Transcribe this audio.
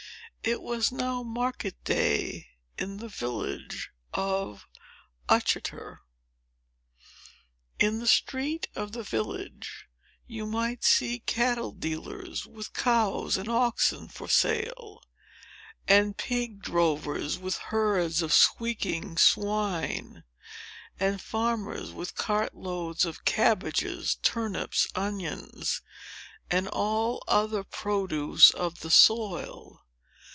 It was now market day in the village of Uttoxeter. In the street of the village, you might see cattle dealers with cows and oxen for sale, and pig drovers, with herds of squeaking swine, and farmers, with cart loads of cabbages, turnips, onions, and all other produce of the soil.